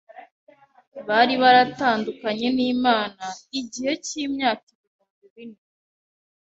Bari baratandukanye n’Imana igihe cy’imyaka ibihumbi bine